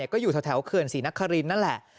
ก็อยู่แถวเขื่อนศรีนครินนั่นแหละ